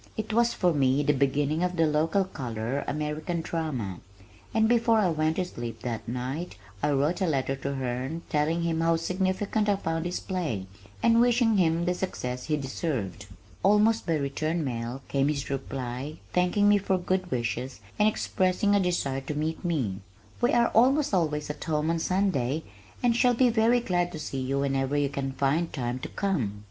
It was for me the beginning of the local color American drama, and before I went to sleep that night I wrote a letter to Herne telling him how significant I found his play and wishing him the success he deserved. Almost by return mail came his reply thanking me for my good wishes and expressing a desire to meet me. "We are almost always at home on Sunday and shall be very glad to see you whenever you can find time to come."